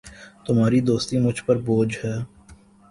تمہاری دوستی مجھ پر بوجھ ہے